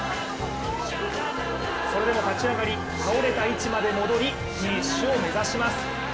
それでも立ち上がり倒れた位置まで戻りフィニッシュを目指します。